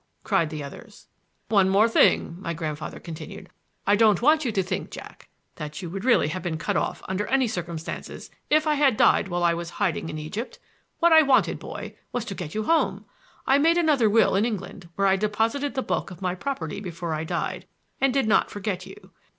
cried the others. "One thing more," my grandfather continued, "I don't want you to think, Jack, that you would really have been cut off under any circumstances if I had died while I was hiding in Egypt. What I wanted, boy, was to get you home! I made another will in England, where I deposited the bulk of my property before I died, and did not forget you.